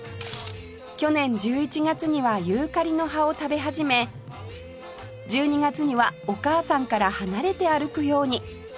去年１１月にはユーカリの葉を食べ始め１２月にはお母さんから離れて歩くように